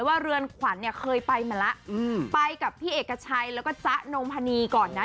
เรือนขวัญเนี่ยเคยไปมาแล้วไปกับพี่เอกชัยแล้วก็จ๊ะนงพนีก่อนนะ